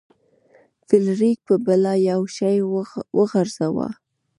فلیریک په بلا یو شی وغورځاوه.